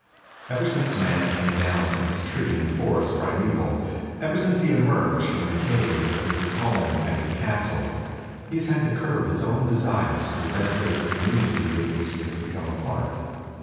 Ever since man came down from his tree in the forest pri meval, ever since he emerged from the cave which was his home and his castle, he has had to curb his own desires for the benefit of the community of which he has become a part.